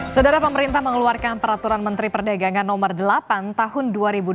saudara pemerintah mengeluarkan peraturan menteri perdagangan no delapan tahun dua ribu dua puluh